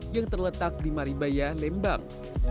yang terletak di maribaya lembang